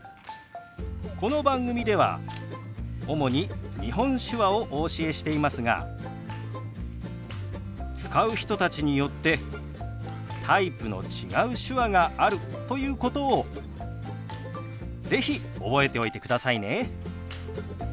この番組では主に日本手話をお教えしていますが使う人たちによってタイプの違う手話があるということを是非覚えておいてくださいね。